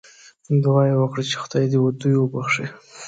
دعا یې وکړه چې خدای دې دوی وبخښي.